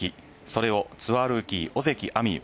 それをツアールーキー・尾関彩美悠